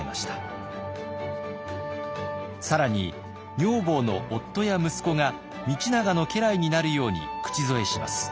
更に女房の夫や息子が道長の家来になるように口添えします。